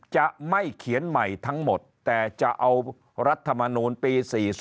จะไม่เขียนใหม่ทั้งหมดแต่จะเอารัฐมนูลปี๔๐